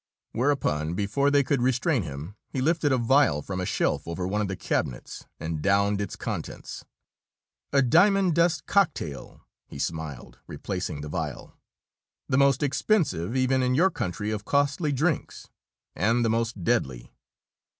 Whereupon, before they could restrain him, he lifted a vial from a shelf over one of the cabinets and downed its contents. "A diamond dust cocktail!" he smiled, replacing the vial. "The most expensive, even in your country of costly drinks and the most deadly!"